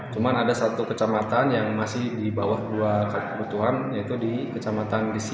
cuma ada satu kecamatan yang masih di bawah dua kebutuhan yaitu di kecamatan di sini